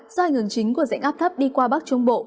do ảnh hưởng chính của dạnh áp thấp đi qua bắc trung bộ